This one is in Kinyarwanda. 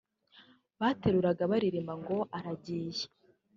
bateruraga baririmba ngo “Aragiye”